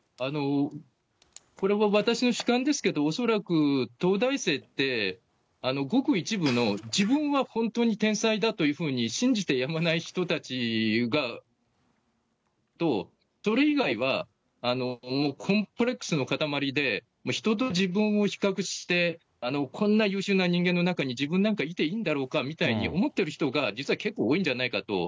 これは私の主観ですけど、恐らく東大生って、ごく一部の、自分は本当に天才だというふうに信じてやまない人たちと、それ以外は、コンプレックスの塊で、人と自分を比較して、こんな優秀な人間の中に、自分なんかいていいんだろうかみたいに思ってる人が、実は結構多いんじゃないかと。